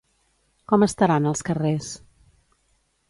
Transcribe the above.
Com estaran els carrers?